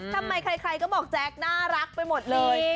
ทำไมใครก็บอกแจ๊คน่ารักไปหมดเลย